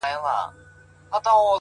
• ژوند یې ښه وو کاروبار یې برابر وو,